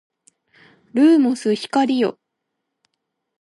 ルーモス光よ